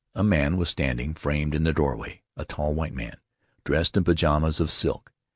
A man was standing framed in the doorway — a tall, white man, dressed in pajamas of silk.